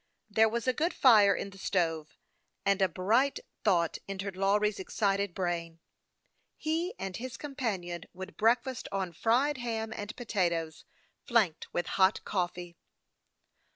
There was a good fire in the stove, and a bright thought entered Lawry's excited brain : he and his companion would break 16 182 HASTE AND WASTE, OR fast on fried ham and potatoes, flanked with hot coffee